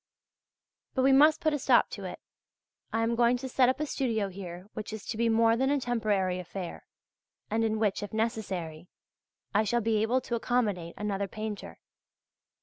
But we must put a stop to it. I am going to set up a studio here which is to be more than a temporary affair, and in which, if necessary, I shall be able to accommodate another painter.